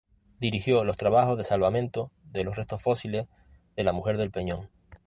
Dirigió los trabajos de salvamento de los restos fósiles de la Mujer del Peñón.